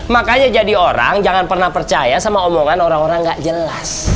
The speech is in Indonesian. makanya jadi orang jangan pernah percaya sama omongan orang orang gak jelas